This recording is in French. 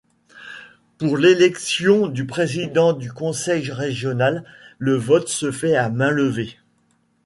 Pour l'élection du Président du Conseil régional, le vote se fait à main levée.